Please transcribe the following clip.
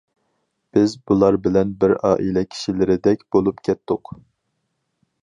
بىز بۇلار بىلەن بىر ئائىلە كىشىلىرىدەك بولۇپ كەتتۇق.